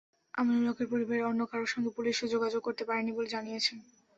আলীমুল হকের পরিবারের অন্য কারও সঙ্গে পুলিশও যোগাযোগ করতে পারেনি বলে জানিয়েছে।